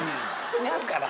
違うから。